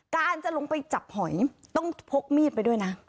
การจะลงไปจับหอยต้องพกมีดไปด้วยนะ